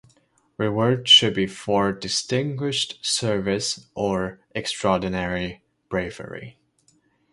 Rewards should be for distinguished service or extraordinary bravery.